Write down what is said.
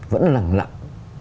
vẫn là lặng lặng